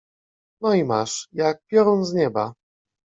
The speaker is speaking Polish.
No i masz — jak piorun z nieba.